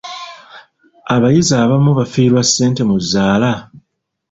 Abayizi abamu bafiirwa ssente mu zzaala?